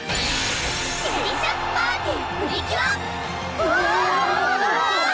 デリシャスパーティプリキュア！